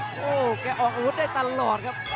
โอ้โหแกออกอาวุธได้ตลอดครับ